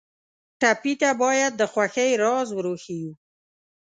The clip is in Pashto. ټپي ته باید د خوښۍ راز ور وښیو.